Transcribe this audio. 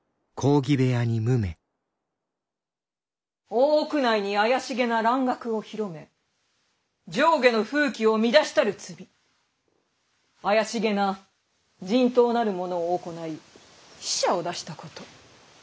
大奥内に怪しげな蘭学を広め上下の風紀を乱したる罪怪しげな人痘なるものを行い死者を出したこと。